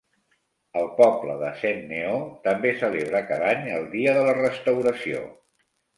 El poble de Saint Neot també celebra cada any el dia de la restauració.